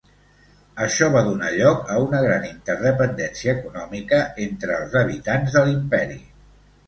Això va donar lloc a una gran interdependència econòmica entre els habitants de l'imperi.